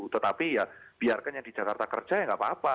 tetapi ya biarkan yang di jakarta kerja ya nggak apa apa